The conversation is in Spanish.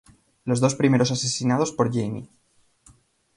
Los dos primeros asesinados por Jaime.